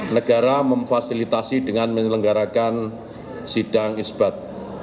negara memfasilitasi dengan menyelenggarakan sidang isbat